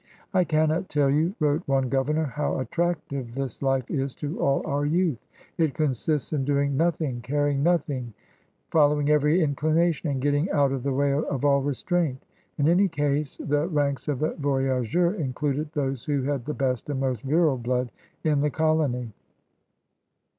"I cannot tell you," wrote one governor, "how attractive this life is to all our youth. It consists in doing nothing, caring nothing, following every inclination, and getting out of the way of all restraint.'' In any case the ranks of the voyageurs included those who had the best and most virile blood in the colony.